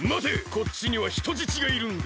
こっちにはひとじちがいるんだ。